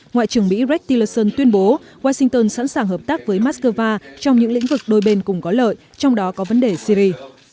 ngoại trưởng mỹ brektillerson tuyên bố washington sẵn sàng hợp tác với moscow trong những lĩnh vực đôi bên cùng có lợi trong đó có vấn đề syri